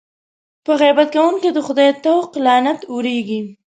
په غیبت کوونکي د خدای طوق لعنت اورېږي.